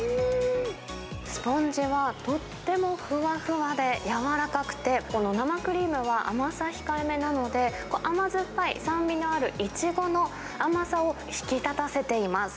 スポンジは、とってもふわふわで柔らかくて、この生クリームは甘さ控えめなので、甘酸っぱい酸味のあるいちごの甘さを引き立たせています。